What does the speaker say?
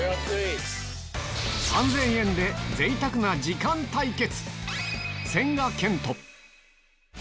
３０００円で贅沢な時間対決